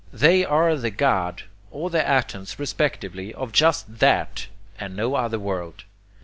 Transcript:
They are the God or the atoms, respectively, of just that and no other world.